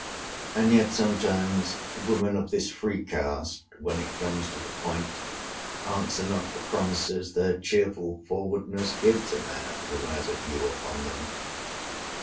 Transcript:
And yet sometimes women of this free cast, when it comes to the point, answer not the promises their cheerful forwardness gives a man who has a view upon them.